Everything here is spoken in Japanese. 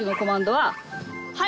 はい。